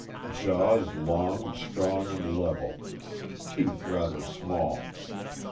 Jaws long, strong, and level; teeth rather small.